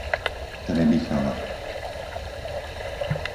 Trebichava